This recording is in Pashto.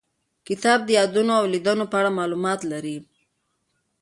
کتاب د یادونو او لیدنو په اړه معلومات لري.